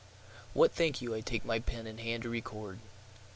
WHAT think you I take my pen in hand to record?